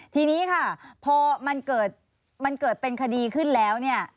ทีนี้ค่ะพอมันเกิดมันเกิดเป็นคดีขึ้นแล้วเนี่ย